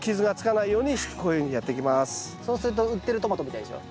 そうすると売ってるトマトみたいでしょ。